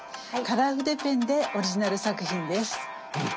カラー筆ペンでオリジナル作品です。